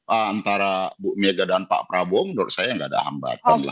antara bu mega dan pak prabowo menurut saya nggak ada hambatan lah